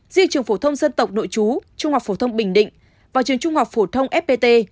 riêng trường phổ thông dân tộc nội chú trung học phổ thông bình định và trường trung học phổ thông fpt